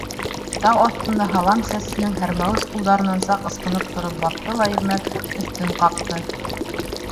Тау аҫтында һалам сәсленең һәрмәүес ҡулдарынан саҡ ысҡынып тороп баҫты ла Ирмәк өҫтөн ҡаҡты.